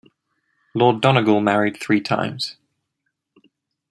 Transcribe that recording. Lord Donegall married three times.